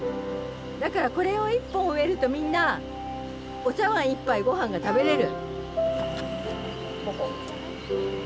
だからこれを１本を植えるとみんなお茶わん１杯御飯が食べれる。